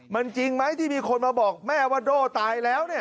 มันจริงไหมที่มีคนมาบอกแม่ว่าโด่ตายแล้ว